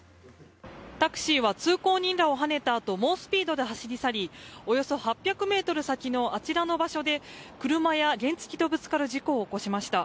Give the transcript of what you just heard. タクシーは通行人らをはねたあと猛スピードで走り去りおよそ８００ｍ先のあちらの場所で車や原付きとぶつかる事故を起こしました。